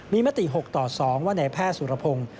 มีมติ๖ต่อ๒ว่าในแพทย์สุรพงศ์